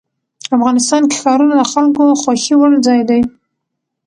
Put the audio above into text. افغانستان کې ښارونه د خلکو خوښې وړ ځای دی.